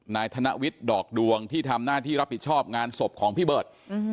ธนวิทย์ดอกดวงที่ทำหน้าที่รับผิดชอบงานศพของพี่เบิร์ต